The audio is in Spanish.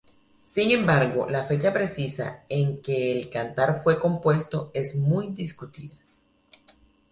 Sin embargo, la fecha precisa en que el cantar fue compuesto es muy discutida.